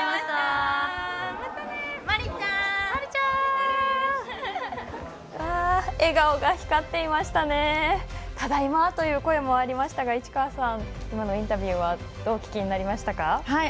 ただいまという声もありましたが市川さん、今のインタビューはどうお聞きになりましたか？